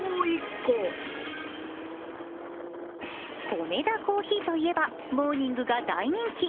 コメダ珈琲といえば、モーニングが大人気。